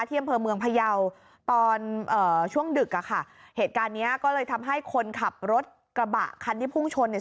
อำเภอเมืองพยาวตอนเอ่อช่วงดึกอ่ะค่ะเหตุการณ์เนี้ยก็เลยทำให้คนขับรถกระบะคันที่พุ่งชนเนี่ย